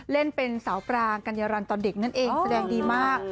เล่นเป็นสาวปรางกัญญารันตอนเด็กนั่นเองแสดงดีมาก